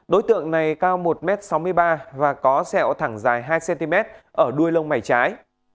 đối tượng này cao một sáu mươi ba m và có sẹo thẳng dài hai cm ở đuôi lông mảy trái